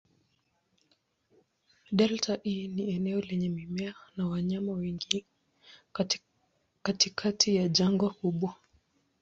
Delta hii ni eneo lenye mimea na wanyama wengi katikati ya jangwa kubwa.